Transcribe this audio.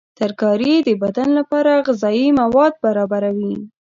ترکاري د بدن لپاره غذایي مواد برابروي.